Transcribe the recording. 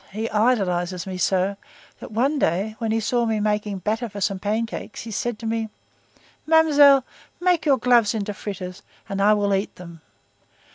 He idolizes me so, that one day when he saw me making batter for some pancakes, he said to me: _'Mamselle, make your gloves into fritters, and I will eat them.